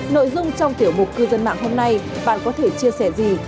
nội dung trong tiểu mục cư dân mạng hôm nay bạn có thể chia sẻ gì